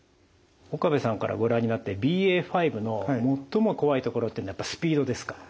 岡部さんからご覧になってＢＡ．５の最も怖いところっていうのはスピードですか？